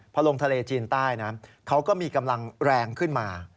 พอลงทะเลจีนใต้นะเขาก็มีกำลังแรงขึ้นมา